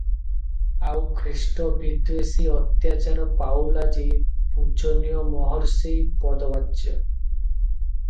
ଆଉ ଖ୍ରୀଷ୍ଟ ବିଦ୍ୱେଷୀ ଅତ୍ୟାଚାରୀ ପାଉଲ୍ ଆଜି ପୂଜନୀୟ ମହର୍ଷୀ ପଦବାଚ୍ୟ ।